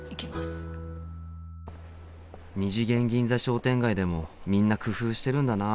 二次元銀座商店街でもみんな工夫してるんだな。